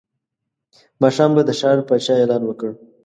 ماښام به د ښار پاچا اعلان وکړ.